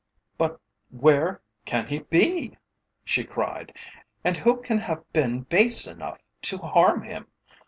"But where can he be?" she cried "and who can have been base enough to harm him?